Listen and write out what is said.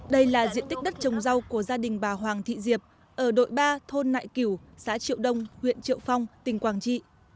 đây là diện tích đất trồng rau của gia đình bà hoàng thị diệp ở đội ba thôn nại cửu xã triệu đông huyện triệu phong tỉnh quảng trị